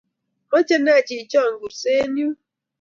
Moche ne chichon kursei eng' yun?